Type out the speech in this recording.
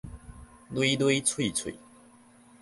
褸褸碎碎